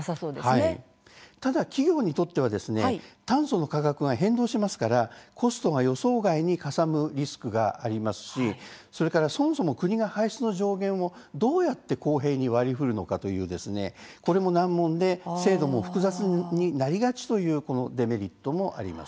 ただ企業にとっては炭素の価格が変動しますからコストが予想外にかさむリスクもありますしそもそも国が排出の上限をどうやって公平に割りふるのかこれも難問で制度が複雑になりがちというデメリットもあります。